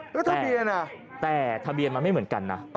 แล้วทะเบียนแต่ทะเบียนมันไม่เหมือนกันนะ